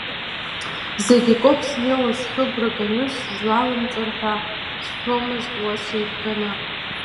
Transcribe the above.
Зегь акоуп снеиуан, схы агәра Ганы, сзлаымҵыр ҳәа сшәомызт, уа сеибганы.